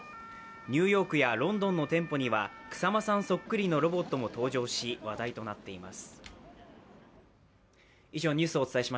ニューヨークやロンドンの店舗には草間さんそっくりのロボットも登場し話題となっています。